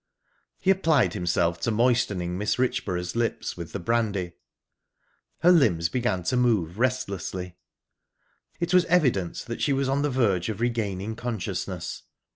He applied himself to moistening Mrs. Richborough's lips with the brandy. Her limbs began to move restlessly; it was evident that she was on the verge of regaining consciousness.